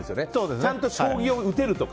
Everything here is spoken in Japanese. ちゃんと将棋を打てるとか。